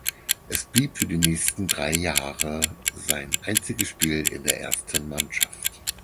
Es blieb für die nächsten drei Jahre sein einziges Spiel in der ersten Mannschaft.